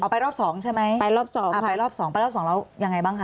ไปรอบ๒ใช่ไหมไปรอบ๒ค่ะไปรอบ๒แล้วยังไงบ้างคะ